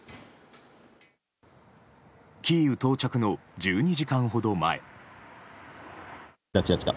キーウ到着の１２時間ほど前。